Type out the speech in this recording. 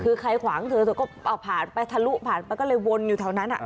คือใครขวางเธอเธอก็ผ่านไปทะลุผ่านไปก็เลยวนอยู่แถวนั้น